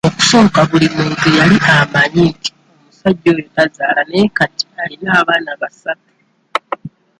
Okusooka buli muntu yali amanyi nti omusajja oyo tazaala naye kati alina abaana basatu.